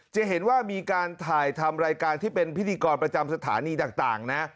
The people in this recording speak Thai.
จะเห็นว่ามีการถ่ายทำรายการที่เป็นพิธีกรประจำสถานีต่างนะ